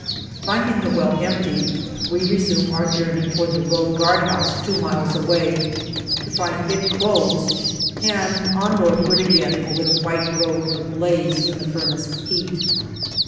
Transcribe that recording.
Finding the well empty, we resume our journey toward the road guard house, two miles away, to find it closed, and on north ward again, over the white road ablaze in the furnace heat.